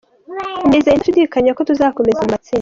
Nizeye ndashidikanya ko tuzakomeza mu matsinda.